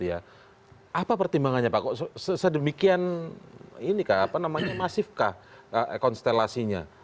apa pertimbangannya pak sedemikian masifkah konstelasinya